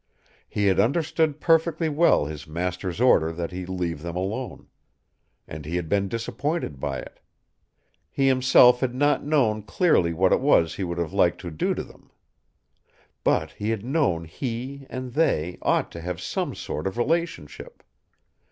He had understood perfectly well his master's order that he leave them alone. And he had been disappointed by it. He himself had not known clearly what it was he would have liked to do to them. But he had known he and they ought to have some sort of relationship.